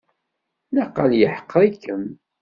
Naqal yeḥqer-ikem.